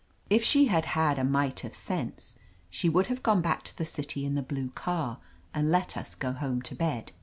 If she had a mite of sense she would have gone back to the city in the blue car and let us go home to bed.